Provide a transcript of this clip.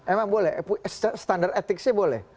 emang boleh standar etiknya boleh